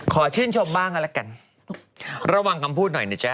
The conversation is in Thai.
ขอชื่นชมบ้างกันละกันระวังคำพูดหน่อยนะจ๊ะ